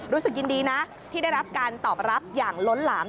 รู้สึกยินดีนะที่ได้รับการตอบรับอย่างล้นหลาม